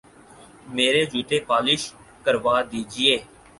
میرے جوتے پالش کروا دیجئے